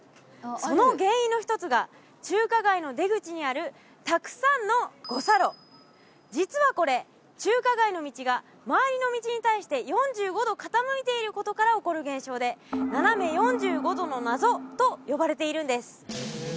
その原因の一つが中華街の出口にあるたくさんの五差路実はこれ中華街の道が周りの道に対して４５度傾いていることから起こる現象で「ナナメ４５度の謎」と呼ばれているんです